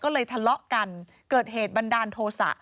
ก็เลยทะเลาะกันเกิดเหตุบันดาลโทษะ